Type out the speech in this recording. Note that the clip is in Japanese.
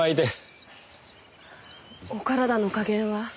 お体の加減は？